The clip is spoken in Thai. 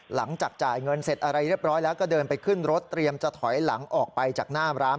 หลังจากจ่ายเงินเสร็จอะไรเรียบร้อยแล้วก็เดินไปขึ้นรถเตรียมจะถอยหลังออกไปจากหน้าร้าน